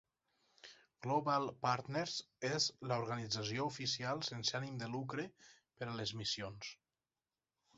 Global Partners és la organització oficial sense ànim de lucre per a les missions.